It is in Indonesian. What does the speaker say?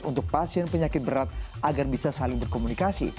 untuk pasien penyakit berat agar bisa saling berkomunikasi